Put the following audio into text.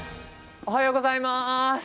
おはようございます。